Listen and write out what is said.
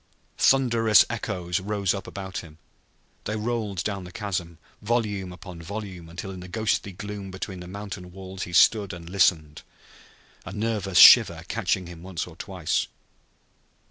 Thunderous echoes rose up about him. They rolled down the chasm, volume upon volume, until in the ghostly gloom between the mountain walls he stood and listened, a nervous shiver catching him once or twice.